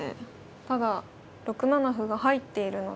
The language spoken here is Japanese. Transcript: ただ６七歩が入っているので。